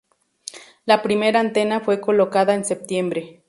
La primera antena fue colocada en septiembre.